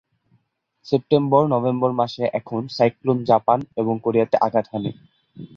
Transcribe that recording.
সেপ্টেম্বর-নভেম্বর মাসে এসব cyclone Japan এবং কোরিয়াতে আঘাত হানে।